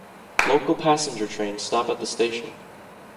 Local passenger trains stop at the station.